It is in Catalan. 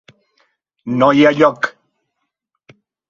No hi ha lloc.